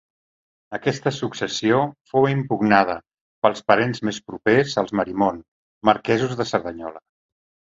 Aquesta successió fou impugnada pels parents més propers, els Marimon, marquesos de Cerdanyola.